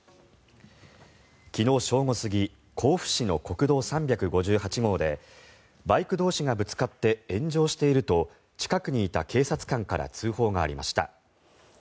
昨日正午過ぎ甲府市の国道３５８号でバイク同士がぶつかって炎上していると近くにいた警察官から通報がありました。